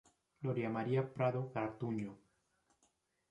Gloria María Prado Garduño.